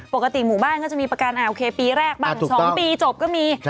ปกติหมู่บ้านก็จะมีประกันโอเคปีแรกบ้าง๒ปีจบก็มี